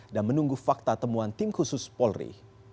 dan menunggu fakta temuan tim khusus polri